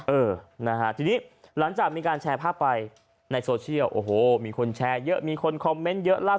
เออทีนี้หลังจากมีการแชร์ภาพไปในโซเชียล